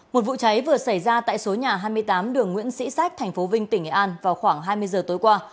một vụ cháy vừa xảy ra tại số nhà hai mươi tám đường nguyễn sĩ sách tp vinh tỉnh nghệ an vào khoảng hai mươi giờ tối qua